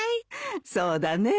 そうだね。